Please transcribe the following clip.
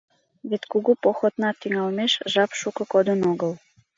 Вет кугу походна тӱҥалмеш жап шуко кодын огыл.